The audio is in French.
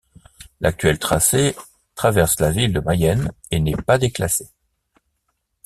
L'actuel tracé traverse la ville de Mayenne et n'est pas déclassé.